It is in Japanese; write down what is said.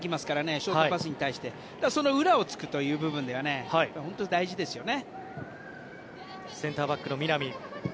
ショートパスに対してその裏をつくという部分では大事ですよね。